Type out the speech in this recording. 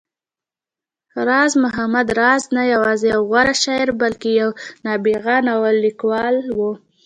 راز محمد راز نه يوازې يو غوره شاعر، بلکې يو نابغه ناول ليکوال و